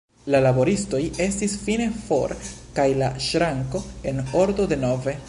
La laboristoj estis fine for kaj la ŝranko en ordo denove.